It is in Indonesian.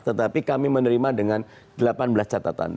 tetapi kami menerima dengan delapan belas catatan